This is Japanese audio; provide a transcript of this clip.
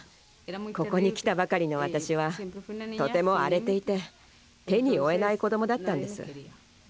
ここに来たばかりの私はとても荒れていて手に負えない子どもだったんです。